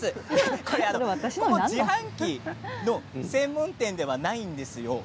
ここは自販機の専門店ではないんですよ。